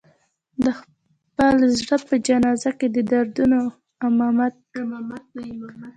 د خپل زړه په جنازه کې د دردونو امامت کړم